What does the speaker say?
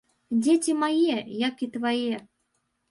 Дзеці мае, як і твае.